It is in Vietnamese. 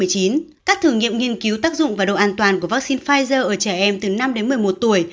các thử nghiệm nghiên cứu tác dụng và độ an toàn của vaccine pfizer ở trẻ em từ năm đến một mươi một tuổi